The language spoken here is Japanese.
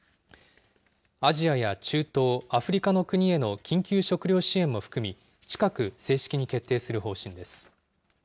アジアや中東、アフリカの国への緊急食料支援も含み、近く正式に決定する方針です。